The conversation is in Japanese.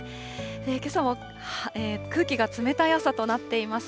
けさは空気が冷たい朝となっています。